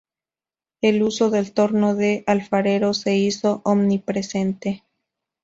El uso del torno de alfarero se hizo omnipresente.